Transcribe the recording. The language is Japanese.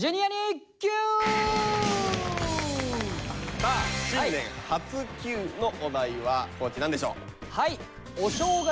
さあ新年初「Ｑ」のお題は地何でしょう？